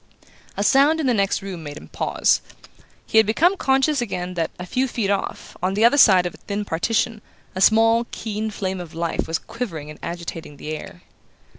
A sound in the next room made him pause. He had become conscious again that, a few feet off, on the other side of a thin partition, a small keen flame of life was quivering and agitating the air.